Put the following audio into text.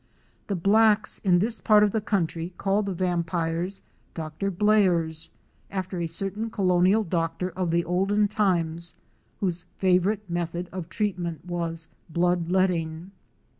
The blacks in this part of the country call the vampires "Dr. Blairs," after a certain colonial doctor of the olden times whose favorite method of treatment was blood letting.